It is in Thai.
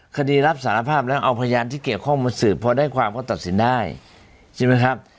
คดีรับสารภาพแล้วเอาพยานที่เกี่ยวข้องมาสืบพอได้ความก็ตัดสินได้ใช่ไหมครับ